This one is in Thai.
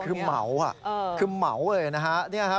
คือเหมาคือเหมาเลยนะฮะ